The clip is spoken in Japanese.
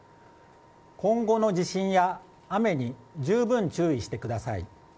今後の地震や雨に十分注意してください。